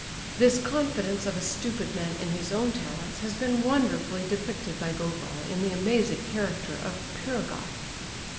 This confidence of a stupid man in his own talents has been wonderfully depicted by Gogol in the amazing character of Pirogoff.